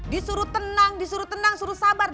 disuruh tenang disuruh tenang suruh sabar